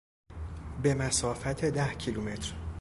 به مسافت ده کیلومتر